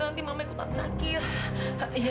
nanti mama ikutan sakit ya deh apa apa ya